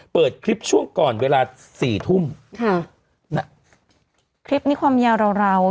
เปิดคลิปช่วงก่อนเวลาสี่ทุ่มค่ะน่ะคลิปนี้ความยาวราวราว